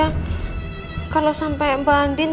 bakal jadi masalah besar nggak ya